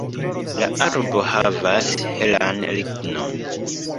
La arbo havas helan lignon.